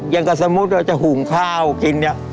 อย่างกับสมมุติว่าจะหุงข้าวกินเนี่ย